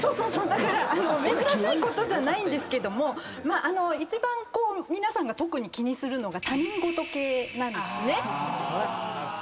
だから珍しいことじゃないんですけども一番皆さんが特に気にするのが他人事系なんですね。